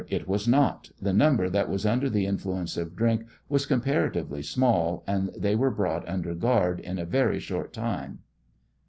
It was not ; the number that was under the influ ence of drink was comparatively small, and they were brought under guard in a very short time.